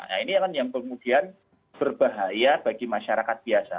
nah ini kan yang kemudian berbahaya bagi masyarakat biasa